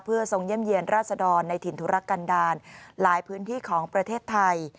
เพื่อทรงเยี่ยมเยี่ยนราษดรในถิ่นธุรกันดาลหลายพื้นที่ของประเทศไทย